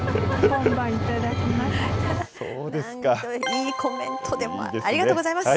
いいコメント、ありがとうございます。